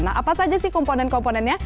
nah apa saja sih komponen komponennya